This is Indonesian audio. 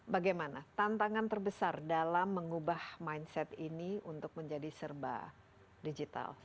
bagaimana tantangan terbesar dalam mengubah mindset ini untuk menjadi serba digital